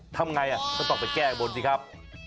ทำไงก็ต้องไปแก้บนสิครับ